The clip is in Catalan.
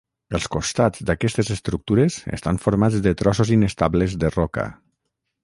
Els costats d'aquestes estructures estan formats de trossos inestables de roca.